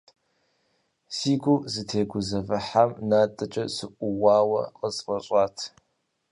Си гур зытегузэвыхьам натӏэкӏэ сыӀууауэ къысфӏэщӏат.